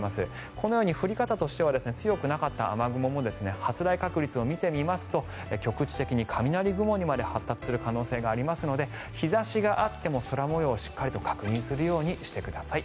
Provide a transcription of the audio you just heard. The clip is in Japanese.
このように降り方としては強くなかった雨雲も発雷確率を見てみますと局地的に雷雲にまで発達する可能性がありますので日差しがあっても空模様をしっかり確認するようにしてください。